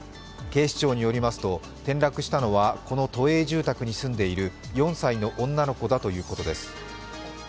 警視庁によりますと転落したのはこの都営住宅に住んでいる４歳の男の子だということです。